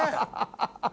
ハハハハ。